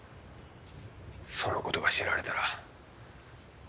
そのことが知られたら。